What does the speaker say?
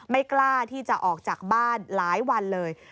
ไม่กล้าที่จะออกจากบ้านหลายวันเลย